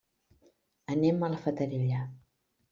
Anem a la Fatarella.